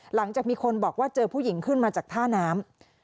หลังจากมีคนบอกว่าเจอผู้หญิงขึ้นมาจากท่าน้ำ